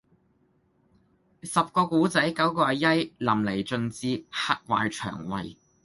十個古仔，九個係曳，淋漓盡致，嚇壞腸胃